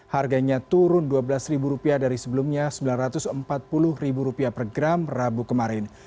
harganya turun rp dua belas dari sebelumnya rp sembilan ratus empat puluh per gram rabu kemarin